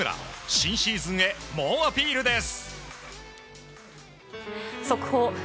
新シーズンへ、猛アピールです！